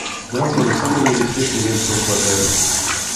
Названа самае небяспечнае месца ў кватэры.